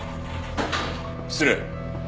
失礼。